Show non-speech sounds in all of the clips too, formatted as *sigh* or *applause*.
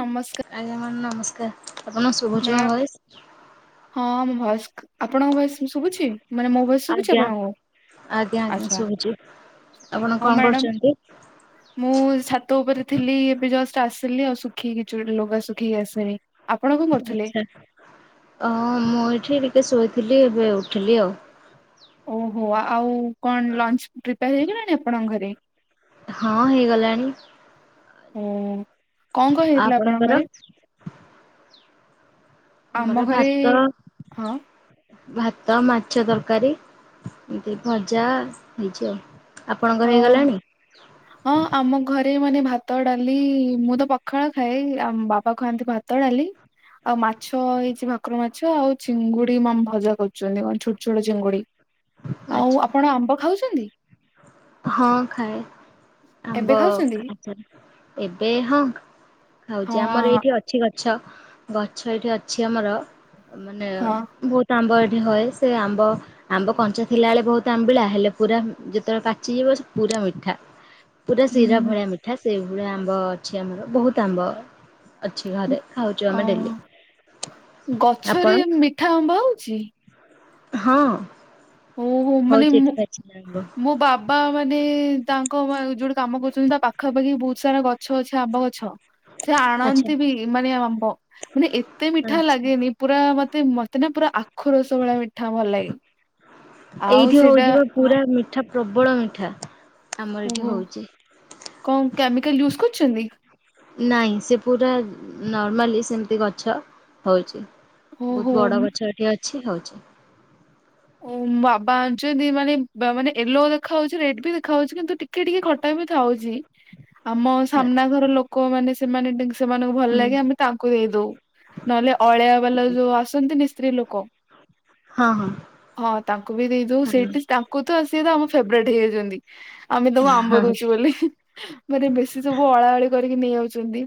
ନମସ୍କାର। ଆଜ୍ଞା ମାମ୍ ନମସ୍କାର ଆପଣଙ୍କୁ ଶୁଭୁଛି ମୋ ମ୍ୟାଡ଼ାମ। ଭଏସ୍? ହଁ ମୁଁ ଭଏସ୍ ଆପଣଙ୍କ ଭଏ ସ୍ ଶୁଭୁଛି ମାନେ ମୋ ଭଏସ୍? ଆଜ୍ଞା ଆଜ୍ଞା ଆଜ୍ଞା ଶୁଭୁଚି ଆପଣ ହଉ କଣ ମ୍ୟାଡାମ କରୁଚନ୍ତି? ମୁଁ ଛାତ ଉପରେ ଥିଲି ଏବେ ଜଷ୍ଟ୍ ଆସିଲି ଆଉ ଶୁଖେଇକି ଜୁଡେ ଲୁଗା ଶୁଖେଇକି ଆସିଲି। ଆପଣ କଣ କରୁ ହ ମୁଁ ଏଠି ଟିକେ ଶୋଇଥିଲି ଏବେ ଉଠିଲି ଆଉ। ଓହୋ ଆଉ କଣ ଲଞ୍ଚ୍ ପ୍ରିପେୟାର୍ ହେଇଗଲାଣି ଆପଣଙ୍କ ଘରେ? ହଁ ହେଇଗଲାଣି। ଓ କଁ କଁ ହେଇଥିଲା ଆପଣଙ୍କ ଆପଣଙ୍କର? ଘରେ? ଆମ ଆମର ଘରେ ଭାତ ହଁ ଭାତ ମାଛ ତରକାରୀ ଏତି ଭଜା ହେଇଚି ଆଉ। ଆପଣଙ୍କର ଅ ହେଇଗଲାଣି? ହଁ ଆମ ଘରେ ମାନେ ଭାତ ଡାଲି ମୁଁ ତ ପଖାଳ ଖାଏ ଆମ ବାବା ଖାଆନ୍ତି ଭା ତ ଡାଲି ଆଉ ମାଛ ହେଇଚି ଭାକୁର ମାଛ ଆଉ ଚିଙ୍ଗୁଡି ମାମ୍ ଭଜା କରୁଚନ୍ତି କଣ ଛୋଟ୍ ଛୋଟ ଚିଙ୍ଗୁଡ଼ି ଆଉ ଆଚ୍ଛା ଆପଣ ଆମ୍ବ ଖାଉଛନ୍ତି? ହଁ ଖାଏ ଆମ୍ବ ଏବେ ଖାଉଛନ୍ତି *unintelligible* ଏବେ ହଁ। ଖାଉଛି ହଁ ଆମର ଏଇଠି ଅଛି ଗଛ ଗଛ ଏଇଠି ଅଛି ଆମର ହଁ ବୋତ୍ ହଏ ସେ ଆମ୍ବ ଆମ୍ବ କଞ୍ଚା ଥିଲା ବେଳେ ବହୁତ ଆମ୍ବିଳା ହେଲେ ପୁରା ଯେତେବେଳେ ପା ଯିଏ ବ ପୁରା ମିଠା ପୁରା ଶିରା ହୁଁ ଭଳିଆ ମିଠା। ସେଇଭଳିଆ ଆମ୍ବ ଅଛି ଆମର ବହୁତ ଆମ୍ବ ଅଛି ଘରେ ଖାଉଛୁ ଅ ଆମେ ଡେଲି ଗଛରେ ଆପଣ? ମିଠା ଆମ୍ବ ହଉଛି। ହଁ ଓହୋ ହଉଛି ଏଠି ପାଚିଲା ଆମ୍ବ। ବା ମାନେ ତାଙ୍କ ଯୋଉଟେ କାମ କରୁଛନ୍ତି ତା ପାଖା ପାାଖି ବହୁତ ସାରା ଗ ଗଛ ଆମ୍ବ ଗଛ ସେ ଆଚ୍ଛା ଆଣନ୍ତି ବି ମାନେ ଆମ୍ବ ମାନେ ଏତେ ମିଠା ଆଚ୍ଛା ଲାଗେନି ପୁରା ମତେ ମତେ ନା ପୁରା ଆଖୁ ରସ ଭଳିଆ ମିଠା ଭଲ ଲାଗେ। ଆଉ ଏଇଠି ସେଇଟା ହଉଚି ହଁ, ପୁରା ମିଠା ପ୍ରବଳ ମିଠା। ଆମର ଏଠି ଓହୋ ହଉଛି। କଣ କେମିକାଲ ୟୁଜ୍ କରୁଛନ୍ତି? ନାଇଁ ସେ ପୁରା ନର୍ମାଲି ସେମିତି ଗଛ ହଉଛି। ଓହୋ ବହୁତ ବଡ ମ- ଗଛଟେ ଅଛି ହଉଛି। ଓୋ ବାବା ଆଣିଛନ୍ତି ମାନେ ମାନେ ୟେଲୋ ଦେଖା ହେଉଛି ରେଡ୍ ବି ଦେଖାହାଉଉଛି କିନ୍ତୁ ଟିକେ କି ଟିକେ ଖଟା ବି ଥାଉଛି। ଆମ ସାମ୍ନା ଘର ଲୋକ ମାନେ ସେମାନେ ସେମାନଙ୍କୁ ଭଲ ହୁଁ। ଲାଗେ ଆମେ ତାଙ୍କୁ ଦେଇ ଦଉ ନହେଲେ ଅଳିଆ ବାଲା ଯୋଉ ଆସନ୍ତିନି ସ୍ତ୍ରୀ ଲୋକ ହଁ ହଁ ହଁ ତାଙ୍କୁ ବି ଦେଇଦଉ ହଁ। ସେଇଠି ତାଙ୍କୁ ତ ସେ ଆମ ଫେବରେଟ୍ ହେଇଯାଉଛନ୍ତି। ଆମେ ତାକୁ ଆମ୍ବ ଦଉଛୁ ବୋଲି ମାନେ ବେଶୀ ସବୁ ଅଳା ଅଳି କରିକି ନେଇ ଯାଉଛନ୍ତି।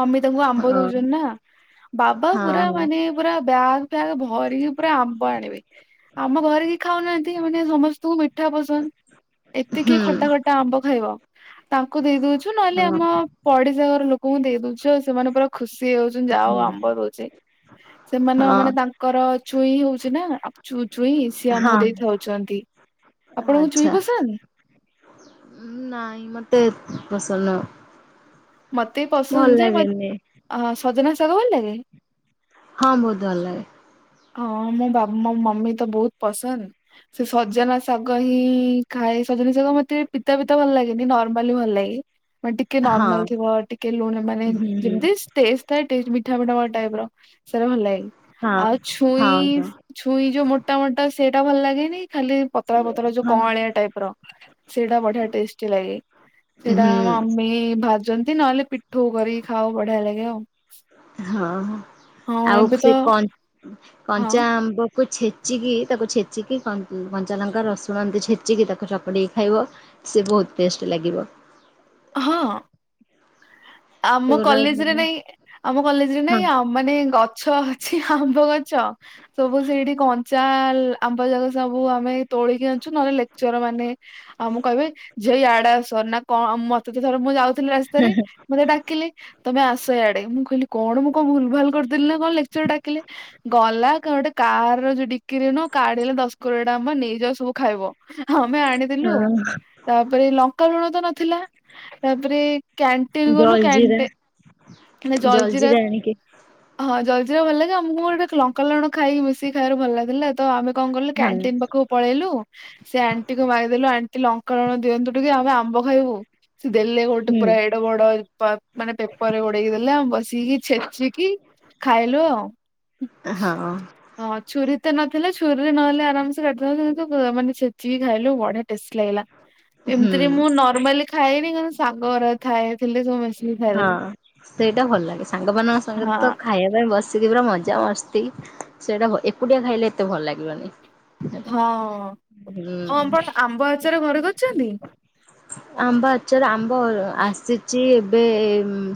ମମି ତାଙ୍କୁ ଆମ୍ବ ହୁଁ। ଦଉଛନ୍ତି ନା ବାବା ପୁରା ହଁ। ମାନେ ପୁରା ବ୍ୟାଗ୍ *inaudible* ଭରିକି ପୁରା ଆମ୍ବ ଆଣିବେ। ଆମ ଘରେ କି ଖାଉନାହାନ୍ତି ମାନେ ସମସ୍ତଙ୍କୁ ମିଠା ପସନ୍ଦ। ଏତେ କିିଏ ଖଟା ଖଟା ଆମ୍ବ ଖାଇବ ତାଙ୍କୁ ଦେଇ ଦଉଛୁ ନହେଲେ ଆମ ପଡିସା ଘର ଲୋକ କୁହନ୍ତି *unintelligible* ଦଉଛ ସେମାନେ ପୁରା ଖୁସି ହେଇ ଯାଉଛନ୍ତି ଯାହା ଆଉ ଆମ୍ବ ଦେଉଛି। ସେମାନେ ହଁ ମାନେ ତାଙ୍କ ଙ୍କର ଛୁଇଁ ହଉଛି ନା *inaudible* ଚୁ ଛୁଇଁ ସିଆମକୁ ହଁ ଦେଇଥାଉଛନ୍ତି। ଆପଣଙ୍କୁ ଛୁଇଁ ପସନ୍ଦ? ଉମ ନାଇଁ ମତେ ଏତେ ପସନ୍ଦ ନୁହଁ। ମତେ ଭଲ ପସନ୍ଦ ଯେ ଲାଗେନି। ବତ ସଜନା ଶାଗ ଭଲଲାଗେ। ହଁ ବହୁତ ଭଲ ଲାଗେ। ହଁ ମୋ ବା ମୋ ମମି ତ ବହୁତ ପସନ୍ଦ। ସେ ସଜନା ଶାଗ ହିଁ ଖାଏ ସଜନା ଶାଗ ମତେ ପିତା ପିତା ଭଲ ଲାଗେନି ନର୍ମାଲି ଭଲ ଲାଗେ। ମାନେ ଟିକେ ନର୍ମାଲ ହଁ। ଥିବ ଟିକେ ଲୁଣ ମାନେ ହୁଁ ଯେମିତି ଥାଏ ମିଠା ମିଠା ଟାଇପ ର। ସେରା ଭଲଲାଗେ ହଁ ହଁ ଛୁଇଁ ହଁ। ଛୁଇଁ ଯୋଉ ମୋଟା ମୋଟା ସେଇଟା ଭଲ ଲାଗେନି ଖାଲି ପତଳା ପତର ଯୋଉ ହଁ କଆଁଳିଆ ଟାଇପ ର ସେଇଟା ବଢିଆ ଟେଷ୍ଟି ଲାଗେ। ସେଇଟା ହୁଁ ମମି ଭାଜନ୍ତି ନହେଲେ ପିଠୋଉ କରି ଖାଉ ବଢିଆ ଲାଗେ ଆଉ। ହଁ ହଁ ଆଉ ଏବେ ତ ସେ କନ୍ ହଁ କଞ୍ଚା ଆମ୍ବ ତା କୁ ଛେଚିକି ତାକୁ ଛେଚିକି କଞ୍ଚା ଲଙ୍କା ରସୁଣ ଏମିତି ଛେଚିକି ତାକୁ ଚକଡ଼ିକି ଖାଇବ। ସେ ବହୁତ ଟେଷ୍ଟ ଲାଗିବ। ହଁ ଆମ ସେଗୁରା କଲେଜରେ ମାନେ ନାଇଁ ଆମ କଲେଜରେ ନାଇଁ ହଁ ଆଉ ମାନେ ଗଛ ଛି ଆମ୍ବ ଗଛ। ସବୁ ସେଇଠି କଞ୍ଚା ଆମ୍ବ ଯାକ ସବୁ ଆମେ ତୋଳିକି ଆଣିଛୁ ନହେଲେ ଲେକ୍ଚର ମାନେ ଆଉ ମୁଁ କହିବି ଝିଅ ୟାଡା ଆସ ନା କଣ ମତେ ତ ଥର ମୁଁ ଯାଉଥିଲି ରାସ୍ତାରେ ମତେ ଡାକିଲେ ତମେ ଆସ ଏଇଆଡେ ମୁଁ କହିଲି କଣ ମୁଁ କଣ ଭୁଲ ଭାଲ କରିଦେଲିି ନା କଣ ଲେକ୍ଚର ଡାକିଲେ। ଗଲା ଗୋଟେ କାର ର ଯୋଉ ଡିକିରି ନ କାଢଲେ ଦଶ କୋର ଟା ଆମ ନେଇଯାଉଅ ସବୁ ଖାଇବ। ଆମେ ଆଣିଦେଲୁ ଆଉ। ହଁ ତାପରେ ଲଙ୍କା ଲୁଣ ତ ନଥିଲା ତାପରେ କ୍ୟା ତିିଲଗଲୁ ଜଲଜିିରା କ୍ୟାାନଟେ ମେ ଜଲଜିରା ଜଲଜିିରା ଆଣିକି ହଁ ଜଲଜିରା ଭଲ ଲାଗେ ଆମକୁ ମୋର ଗୋଟେ ଲଙ୍କା ଲୁଣ ଖାଇକି ମିଶିକି ଖାଇବାର ଭଲ ଲାଗିଲା ତ ଆମ କଣ କଲୁ ହଁ କ୍ୟାଣ୍ଟିନ୍ ପାଖକୁ ପଳେଇଲୁ ସେ ଆଣ୍ଟି କୁ ମାଗିଦେଲୁ ଆଣ୍ଟି ଲଙ୍କାଲୁଣ ଦିଅନ୍ତୁ ଟିକେ ଆମେ ଆମ୍ବ ଖାଇବୁ। ସେ ଦେଲେ ଗୋଟେ ହୁଁ ପୁରା ଏଡେ ବଡ ମାନେ ପେପରରେ ଗୋଡେଇକି ଦେଲେ ଆ ବସିକି ଛେଚିକି ଖାଇଲୁ ଆଉ ହଁ ହଁ ଛୁରୀ ତ ନଥିଲା ଛୁରୀରେ ନହେଲେ ଆରାମସେ କାଟିଥା କିନ୍ତୁ ମାନେ ଛଚିକି ଖାଇଲୁ ବଢିଆ ଲାଗିଲା ହୁଁ ଏମିତିରେ ମୁଁ ନର୍ମାଲି ଖାଏନି କ ସାଙ୍ଗରେ ଥାଏ ଥିଲେ। ମିଶିକି ହଁ ଖାଇଦେଲୁ ସେଇଟା ଭଲ ଲାଗେ ସାଙ୍ଗ ମାନଙ୍କ ହଁ। ସଙ୍ଗତ ଖାଇବା ପାଇଁ ବସ ସେଥି ପୁରା ମଜା ମସ୍ତି ସେଇଟା ଏକୁଟିଆ ଖାଇଲେ ଏତେ ଭଲ ଲାଗିବନି। ସେଇଟା ହଁ ହ ହୁଁ ବଟ ଆମ୍ବ ଆଚାର ଘରେ କରିଛନ୍ତି। ଆମ୍ବ ଆଚାର ଆମ୍ବ ଆସିଛି ଏବେ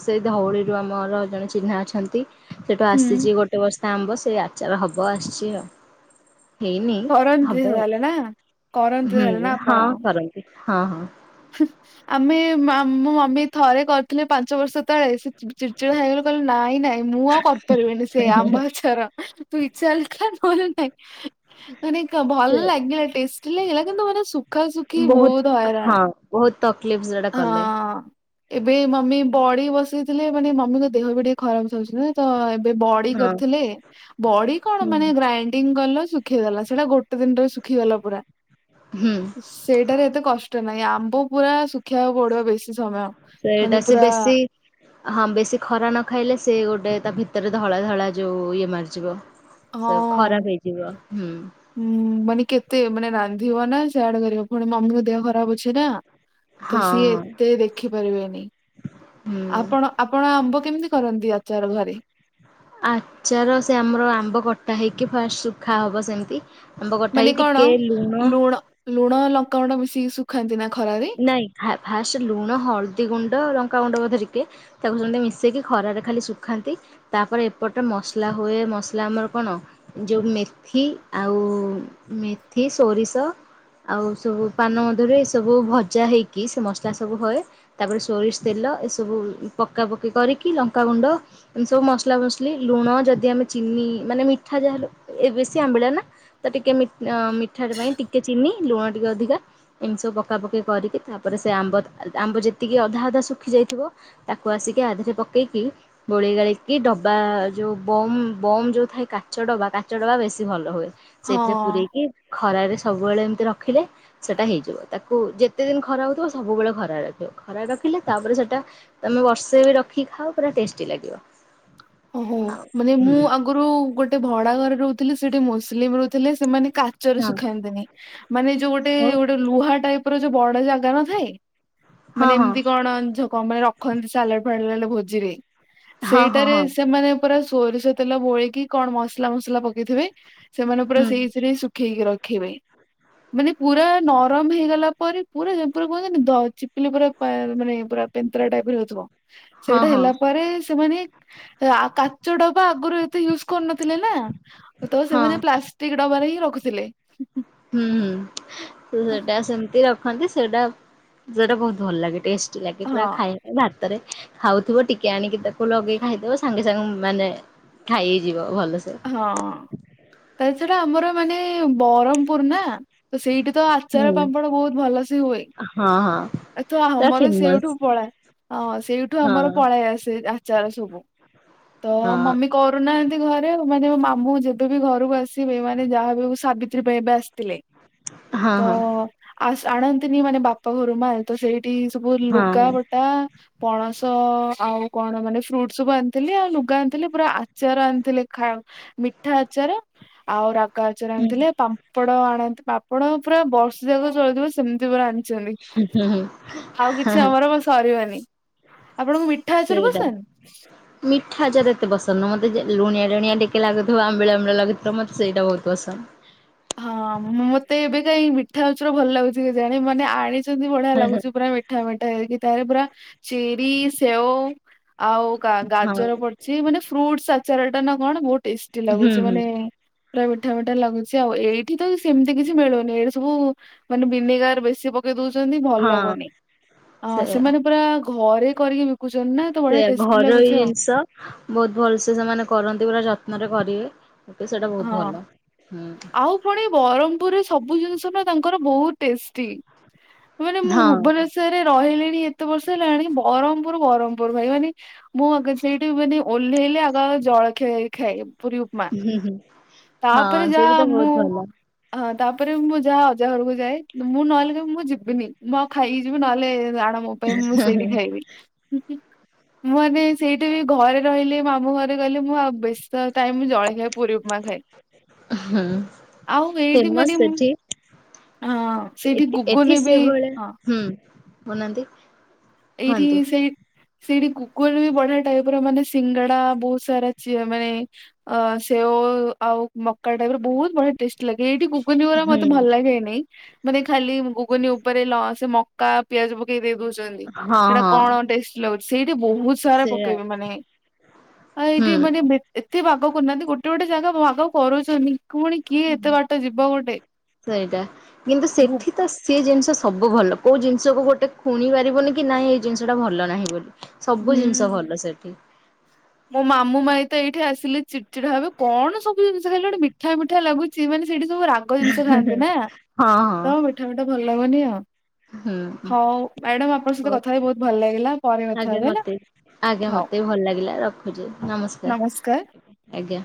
ସେଇ ଧଉଳିରୁ ଆମର ଜଣେ ଚିହ୍ନା। ଅଛନ୍ତି ସେଠୁ ହୁଁ ଆସିଛି ଗୋଟେ ବସ୍ତା ଆମ୍ୱ ସେ ଆଚାର ହବ ଆସିଛି ଆଉ। ହେଇନି କରନ୍ତି ହବ ତାହେଲେ ନା କରନ୍ତି ହୁଁ ତାହେଲେ ନା ଆପଣ? ହଁ କରନ୍ତି ହଁ ହଁ। ଆମେ ଆ ମମ ମମି ଥରେ କରିଥିଲେ ପାଞ୍ଚ ବର୍ଷ ତଳେ। ଚିଡ଼ଚିଡ଼ା ହେଇଗଲେ କହିଲେ ନାଇଁ ନାଇଁ ମୁଁ ଆଉ କରିପାରିବିନି ସେ ଆମ୍ବ ଆଚାର। ତୁ ଇଛା ହେଲେ ଖା ନହେଲେ ନାଇ। ମାନେ ଭଲ ଲାଗିଲା ଟେଷ୍ଟି ଲାଗିଲା କିନ୍ତୁ ମାନେ ସୁଖା ସୁୁଖି ବହୁତ ହଇରାଣ। ବହୁତ ତକଲିଫ ସେଟା କଲେ। ହଁ। ଏବେ ମମି ବଡି ବସେଇଥିଲେ ମାନେ ମମିଙ୍କ ଦେହ ବି ଟିକେ ଖରାପ ଚାଲୁଚି ନା ତ ଏ ବଡି ହଁ କରିୁଥିଲେ ବଡି କଣ ହୁଁ ମାନେ ଗ୍ରାଇଣ୍ଡିଙ୍ଗ କଲ ଶୁଖେଇଦଲା ସେଇଟା ଗୋଟେ କେତେ ଦିନରେ ଶୁଖିଗଲା ପୁରା ହୁଁ ସେଇଟାରେ ଏତେ କଷ୍ଟ ନାହିଁ ଆମ୍ବ ପୁରା ସୁ ରଖିବାକୁ ପଡିବ ବେଶୀ ସମୟ। ସେ ମାନେ ସେଇଟା ସେ ପୁରା ବେଶୀ। *inaudible* ହଁ ବେଶୀ ଖରା ନ ଖାଇଲେ ସେ ଗୋଟେ ତା ଭିତରେ ଧଳା ଧଳା ଯୋଉ ଇଏ ମାରିଯିବ। ହଁ। ସେ ଖରାପ ହେଇଯିବ ହୁଁ। ହୁଁ ମାନେ କେତେ ମାନେ ରାନ୍ଧିବ ନା ସେଆଡେ କରିବ ପୁଣି ମମିଙ୍କ ଦେହ ଖରାପ ଅଛି ନା। ହଁ ତ ସିଏ ଏତେ ଦେଖିପାରିବେନି ହୁଁ। ଆପଣ ଆପଣ ଆମ୍ବ କେମିତି କରନ୍ତି ଆଚାର ଘରେ? ଆଚାର ସେ ଆମର ଆମ୍ବ କଟା ହେଇକି ଫାଷ୍ଟ ଶୁଖାହବ ସେମିତି। ଆମ୍ବ ମାନେ କଠାଇ କଣ ଟିକେ ଲୁଣ ଲୁଣ ଲଙ୍କାଗୁଣ୍ଡ ମିଶିକି ଶୁଖାନ୍ତି ନା ଖରାରେ। ନାଇଁ ଫାଷ୍ଟ ଲୁଣ ହଳଦୀ ଗୁଣ୍ଡ ଲଙ୍କାଗୁଣ୍ଡ ବୋଧେ ଟିକେ ତାକୁ ସେ ମିଶେଇକି ଖରାରେ ଖାଲି ଶୁଖାନ୍ତି। ତାପରେ ଏପଟେ ମସଲା ହୁଏ ମସଲା ଆମର କଣ? ଯଉ ମେଥି ଆଉ ମେଥି ସୋରିଷ। ଆଉ ସବୁ ପାନମାଧୁରୀ ରେ ସବୁ ଭଜା ହେଇକି ସେ ମସଲା ସବୁ ହଏ। ତାପରେ ସୋରିଷ ତେଲ ଏସବୁ ପକା ପକି କରିକି ଲଙ୍କାଗୁଣ୍ଡ ଏମତି ସବୁ ମସଲା ମସଲି ଲୁଣ ଯଦି ଆମେ ଚିନି ମାନେ ମିଠା ଯାହା ହେ ଏ ବେଶି ଆମ୍ବିଳା ନା ତ ଟିକେ ଅଁ ମିଠା ପାଇଁ ଟିକେ ଚିନି ଲୁଣ ଟିକେ ଅଧିକା ଏମତି ସବୁ ପକା ପକି କରିକି ତାପରେ ସେ ଆମ୍ବ ଆମ୍ବ ଯେତିକି ଅଧା ଅଧା ଶୁଖି ଯାଇଥିବ ତାକୁ ଆସିକି ଆଧରେ ପକେଇକି ଗୋଳେଇ ଗାଳେଇକି ଡବା ଯୋଉ ବମ୍ ବମ୍ ଯୋଉ ଥାଏ କାଚ ଡବା କାଚ ଡବା ବେଶୀ ଭଲ ହୁଏ। ସେଇଥିରେ ହଁ ପୂରେଇକି ଖରାରେ ସବୁବେଳେ ଏମିତି ରଖିଲେ ସେଟା ହେଇଯିବ ତାକୁ ଯେ ଯେତ ଦିନ ଖରା ହେଉଥିବ ସବୁବେଳେ ଖରା ରଖିବ ଖରା ରଖିଲେ ତାପରେ ସେଟା ତମେ ବର୍ଷେ ବି ରଖିକି ଖାଅ ପୁରା ଟେଷ୍ଟି ଲାଗିବ। ଓହୋ ଆଉ ମାନେ ମୁଁ ହୁଁ ଆଗରୁ ଗୋଟେ ଭଡା ଘରେ ରହୁଥିଲି ସେଠି ମୁସଲିମ ରହୁଥିଲେ ସେମାନେ କା ଚରେ ହଁ ଶୁଖାନ୍ତିନି ମାନେ ଯୋଉ ଗୋଟେ ହଉ ଗୋଟେ ଲୁହା ଟାଇପର ଯୋଉ ବଡ ଜାଗା ନଥାଏ ମାନେ ହଁ ଏମିତି କଣ ମାନେ ଏମତି ସବୁ ରଖନ୍ତି ସାଲାଡ ଫାଲାଡ ହେଲେ ଭୋଜିରେ। ହଁ ସେଇଟାରେ ସେମାନେ ପୁରା ସୋରିଷ ତେଲ ଗୋଳେଇକି କଣ ମସଲା ମସଲା ପକେଇଥିବେ, ସେମାନେ ପୁରା ହୁଁ ସେଇଥିରେ ସୁଖେଇକି ରଖିବେ। ମାନେ ପୁରା ନରମ ହେଇଗଲା ପରେ ପୁରା ପୁରା କୁହନ୍ତନି ଚିପିଲି ପୁରା ମାନେ ପୁରା ପେପରା ଟାଇପର ହଉଥିବ ହଁ ସେଇଟା ହଁ ହେଲା ପରେ ସେମାନେ କାଚ ଡବା ଆଗରୁ ଏତେ ୟୁଜ୍ କରିନଥିଲେ ନା ତ ହଁ। ସେମାନେ ପ୍ଲା ଷ୍ଟିକ୍ ଡବାରେ ହିଁ ରଖୁଥିଲେ। ହୁଁ ହୁଁ ସେଟା ସେମିତି ରଖନ୍ତି ସେଟା ସେଟା ବହୁତ ଭଲ ଲାଗେ ଟେଶ ଷ୍ଟି ଲାଗେ ପୁରା ହଁ ଖାଇ ଭାତରେ ଖାଉଥିବ ଟିକେ ଆଣିକି ତାକୁ ଲଗେଇକି ଖାଇଦବ ସାଙ୍ଗେ ସାଙ୍ଗେ ମାନେ ଖାଇ ହେଇଯିବ ଭଲସେ। ହଁ ତା ଛଡା ଆମର ମାନେ ବରମପୁର ନା। ତ ସେଇଠି ତ ହୁଁ। ଆଚାର ପାମ୍ପଣ ବହୁତ ଭଲସେ ହୁଏ। ହଁ ହଁ। ଏ ତ ତା ଆମର ସେଇଠୁ ଫେମସ ପଳାଏ ହଁ ସେଇଠୁ ଆମର ହଁ ପଳେଇ ଆସେ ଆ ଚାର ସବୁ ତ ହଁ ମମି କରୁନାହାନ୍ତି ଘରେ। ରେ ମୋ ମାମୁଁ ଯେବେ ବି ଘରକୁ ଆସିବେ ମାନେ ଯାହା ବି ହଉ ସାବିତ୍ରୀ ପାଇଁ ଏବେ ଆସିଥିଲେ ହଁ ତ ଆସ ଆଣନ୍ତିନି ମାନେ ବାପା ଘରୁ ମା ତ ସେଇଠି ସବୁ ଲୁଗା ହଁ। ପ ଟା ପଣସ ଆଉ କଣ ମାନେ ଫ୍ରୁଟ ସବୁ ଆଣିଥିଲି ଆଉ ଲୁଗା ଆଣିଥିଲି ପୁରା ଆଚାର ଆଣିଥିଲେ ଖା ମିଠା ଆଚାର ଆଉ ରାଗ ଆଚାର ହୁଁ ଆଣିଥିଲେ ପାମ୍ପ ପାମ୍ପଡ ଆଣନ୍ତି ପାମ୍ପଡ ପୁରା ବର୍ଷ ଯାକ ଚଳିଯିବ ସେମତି ପୁରା ଆଣି ଥିବେ ହୁଁ ହୁଁ ଆଉ କିଛି ଆମର ସରିବନି ଆପଣଙ୍କୁ ମିଠ ସେଇଟା। ମିଠା ଆଚାର ଏତେ ପସନ୍ଦ ନୁହଁ ମତେ ଟିକେ ଲୁଣିଆ ଲୁଣିଆ ଟିକେ ଲାଗୁଥିବ ଆମ୍ବିଳା ଆମ୍ବିଳା ଲାଗୁଥିବ ତ ମତେ ସେଇଟା ବହୁତ ପସନ୍ଦ। ହଁ ମତେ ଏବେ କାଇଁ ମିଠା ଆଚାର ଭଲ ଲାଗୁଛି କେଜାଣି ମାନେ ଆଣିଛନ୍ତି ବଢିଆ ହଁ ଲାଗୁଛି ପୁରା ମି ମିଠା ମିଠା ହେଇକି ତାଧେରେ ପୁରା ଚେରି, ସେଓ ଆଉ ହଁ ଗାଜର ପଡ ସିଏ ମାନେ ଫ୍ରୁଟସ ଆଚାର ଟା ନା କଣ ବହୁତ ଟେଷ୍ଟି ହୁଁ ଲାଗୁଛି ହୁଁ ମାନେ ପୁରା ମିଠା ମିଠା ଲାଗୁଛି। ଆଉ ଏଇଠି ତ ସେମିତି କିଛି ମିଳୁନି ଏଇଠି ସବୁ ମାନେ ଭିନେଗାର ବେଶୀ ପ ପକେଇ ଦଉଛନ୍ତି ଭଲ ହଁ ଲାଗୁନି, ଆ ସେଇଆ। ସେମାନେ ପୁରା ଘରେ କରିକି ବିକୁଛନ୍ତି ନା ତ ବଢିଆ ସେୟା ଟେଷ୍ଟି ଘରୋଇ ଲାଗୁଛି ଆଉ। ଜିନିଷ ବହୁତ ଭଲସେ ସେମାନେ କରନ୍ତି ପୁରା ଯତ୍ନରେ କରିବେ। ମୋତେ ସେଇଟା ବହୁତ ହଁ ଭଲ, ହଁ। ଆଉ ପୁଣି ବରମପୁରରେ ସବୁ ଜିନିଷ ନା ତାଙ୍କର ବହୁତ ଟେଷ୍ଟି, ମାନେ ମୁଁ ହଁ ଭୁବନେ ଶ୍ଵରରେ ରହିଲିଣି ଏତେ ବର୍ଷ ହେଲାଣି, ବରହମପୁର ବରହମପୁର, ଭାଇ ମାନେ ମୁଁ ଆଗ ସେଇଠି ମାନେ ଓହ୍ଲେଇଲେ, ଆଗ ଆଗ ଜଳଖିଆ ଖାଏ, ପୁରୀ ଉପମା। ହୁଁ ହୁଁ ତାପରେ ହଁ, ସେଇଠି ଯାହା ତ ମୁଁ ବହୁତ ଭଲ। ହଁ, ତାପରେ ମୁଁ ଯାହା ଅଜା ଘରକୁ ଯାଏଁ, ମୁଁ ନହେଲେ କି ମୁଁ ଯିବିନି, ମୁଁ ଆଉ ଖାଇକି ଯିବି, ନହେଲେ ଆଣ ମୋ ପାଇଁ ମୁଁ ସେଇଠି ଖାଇବି। ମୁଁ ଆଗେ ସେଇଠି ବି ଘରେ ରହିଲି, ମାମୁଁ ଘରେ କହିଲେ ମୁଁ ଆଉ ବେଶୀ ଥର ଟାଇମ ଜଳଖିଆ ପୁରି ଉ ପମା ଖାଇବି, ହୁଁ ଆଉ ଏଇଠି ଫେମସ୍ ମାନେ ମୁଁ ସେଠି ହଁ, ସେଇଠି ଏଠି ଏଠି ଘୁଗନି ବି ସେଭଳିଆ ହଁ ହୁଁ, କହୁନାହାନ୍ତି? ଏଇଠି କୁହନ୍ତୁ ସେଇ ସେଇଠି କୁକରବି ବଢିଆ ଟାଇପର ମାନେ, ସିଙ୍ଗଡା ବହୁତ ସାରା ମାନେ ଅ ସେଓ ଆଉ ମକା ଟାଇପର, ବହୁତ ବଢିଆ ଟେଷ୍ଟି ଲାଗେ। ଏଇଠି ଘୁଗୁନି ଗୁରା ହୁଁ ମତେ ଭଲ ଲାଗେନି। ମାନେ ଖାଲି ଗୁଗୁନି ଉପରେ ଲହ ସେ ମକା, ପିଆଜ ପକେଇ ଦେଇ ଦଉଛନ୍ତି। ହଁ ସେଇଟା କଣ ହଁ ଟେଷ୍ଟ ଲାଗୁଛି, ସେଇଟା ବହୁତ ସାରା ସେଇଆ ପକେଇବେ ମାନେ ଆ ଏଇଠି ହୁଁ ମାନେ ଏତେ ବାଗ କରୁନାହାନ୍ତି, ଗୋଟେ ଗୋଟେ ଜାଗା ଭାଗ କରଉଛନ୍ତି। ପୁଣି କିଏ ଏତେ ବାଟ ଯିବ ଗୋଟେ, ସେଇଟା କିନ୍ତୁ ଭୁ ସେଠି ତ ସେ ଜିନିଷ ସବୁ ଭଲ, କୋଉ ଜିନିଷକୁ ଗୋଟେ ଖୁଣି ପାରିବନି କି, ନାଇଁ, ଏଇ ଜିନିଷଟା ଭଲ ନାହିଁ ବୋଲି। ସବୁ ଜିନିଷ ହୁଁ। ଭଲ ସେଠି। ମୋ ମାମୁଁ ମାଇଁ ତ ଏଇଠି ଆସିଲେ ଚିଡ଼ଚିଡ଼ା ହେବେ, କଣ ସବୁ ଜିନିଷ ଖାଲି ଗୋଟେ ମିଠା ମିଠା ଲାଗୁଛି, ମାନେ ସେଇଠି ସବୁ ରା ଗ ଜିନିଷ ଖାଆନ୍ତି ନା, ହଁ ହଁ ତ ମିଠା ମିଠା ଭଲ ଲାଗୁନି ଆଉ। ହୁଁ। ହଉ, ମ୍ୟାଡାମ ଆପଣଙ୍କ ସହିତ ହଉ କଥା ହେଇ ବହୁତ ଭଲ ଲାଗିଲା, ପରେ କଥା ଆଜ୍ଞା ହେବି ହେଲା। ମତେ ଆଜ୍ଞା, ହଉ ମତେ ବି ଭଲ ଲାଗିଲା, ରଖୁଛି, ନମସ୍କାର, ଆଜ୍ଞା।